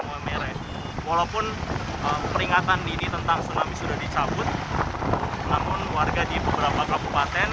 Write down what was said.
walaupun peringatan dini tentang tsunami sudah dicabut namun warga di beberapa kabupaten